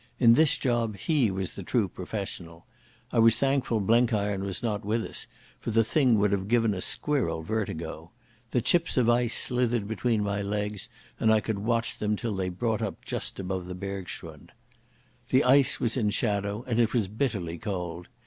In this job he was the true professional. I was thankful Blenkiron was not with us, for the thing would have given a squirrel vertigo. The chips of ice slithered between my legs and I could watch them till they brought up just above the bergschrund. The ice was in shadow and it was bitterly cold.